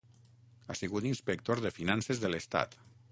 Ha sigut inspector de finances de l'estat.